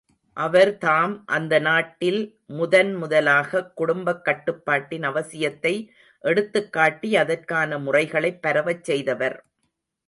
அவர் தாம் அந்த நாட்டில் முதன் முதலாகக் குடும்பக் கட்டுப்பாட்டின் அவசியத்தை எடுத்துக்காட்டி அதற்கான முறைகளைப் பரவச் செய்தவர்.